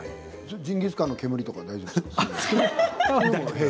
ジンギスカンの煙とかは大丈夫ですか？